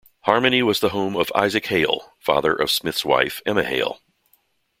Harmony was the home of Isaac Hale, father of Smith's wife, Emma Hale.